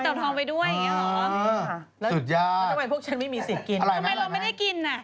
ทำไมเราไม่ได้กินน่ะ